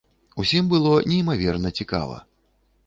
Усім было неймаверна цікава.